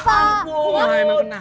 ae ya ampun